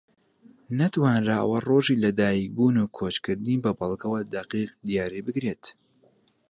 نەتوانراوە ڕۆژی لە دایک بوون و کۆچکردنی بە بەڵگەوە دەقیق دیاری بکرێت